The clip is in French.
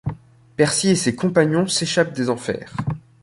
Percy et ses compagnons s'échappent des Enfers.